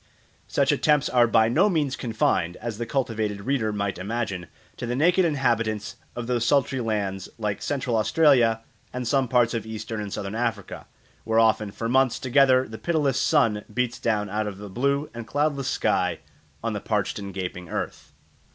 Such attempts are by no means confined, as the cultivated reader might imagine, to the naked inhabitants of those sultry lands like Central Australia and some parts of Eastern and Southern Africa, where often for months together the pitiless sun beats down out of a blue and cloudless sky on the parched and gaping earth.